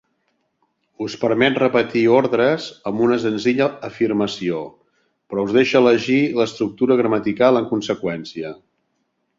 Us permet repetir ordres amb una senzilla afirmació, però us deixa elegir l'estructura gramatical en conseqüència.